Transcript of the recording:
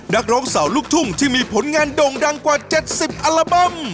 นักร้องสาวลูกทุ่งที่มีผลงานโด่งดังกว่า๗๐อัลบั้ม